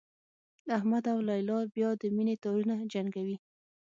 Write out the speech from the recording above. احمد او لیلا بیا د مینې تارونه جنګوي